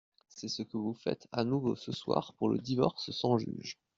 C’est ce que vous faites à nouveau ce soir pour le divorce sans juge.